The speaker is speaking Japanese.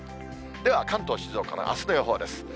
では、関東、静岡のあすの予報です。